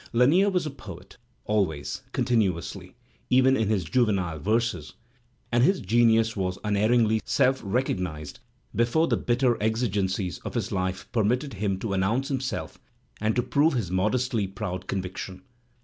Lanier was a poet, always, continuously, even in his juve nile verses, and his genius was unerringly self recognized before the bitter exigencies of his life permitted him to announce himself and to prove his modestly proud conviction.